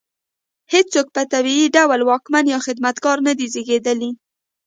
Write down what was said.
هېڅوک په طبیعي ډول واکمن یا خدمتګار نه دی زېږېدلی.